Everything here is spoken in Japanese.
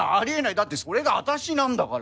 だってそれがあたしなんだから。